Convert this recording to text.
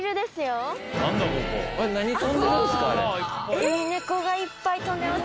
ウミネコがいっぱい飛んでます